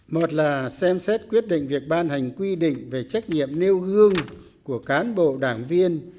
một là xem xét quyết định việc ban hành quy định về trách nhiệm nêu gương của cán bộ đảng viên